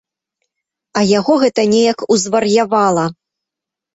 А яго гэта неяк узвар'явала.